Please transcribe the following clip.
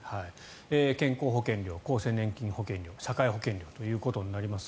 健康保険料厚生年金保険料、社会保険料ということになります。